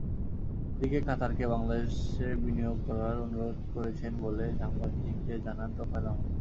এদিকে কাতারকে বাংলাদেশে বিনিয়োগ করার অনুরোধ করেছেন বলে সাংবাদিকদের জানান তোফায়েল আহমেদ।